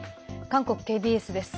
韓国ＫＢＳです。